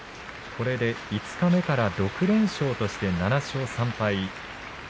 これで五日目から６連勝として７勝３敗。